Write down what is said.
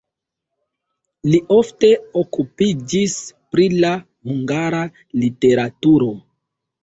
Li ofte okupiĝis pri la hungara literaturo.